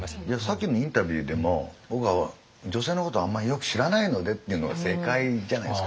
さっきのインタビューでも「僕は女性のことはあんまりよく知らないので」っていうのが正解じゃないですかやっぱ。